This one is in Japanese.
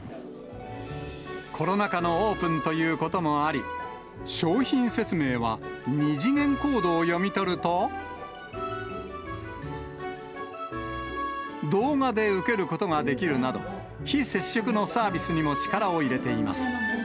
コロナ禍のオープンということもあり、商品説明は、二次元コードを読み取ると、動画で受けることができるなど、非接触のサービスにも力を入れています。